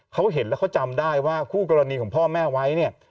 เขาเห็นแล้วเขาจำได้ว่าคู่กรณีของพ่อแม่ไว้เนี่ย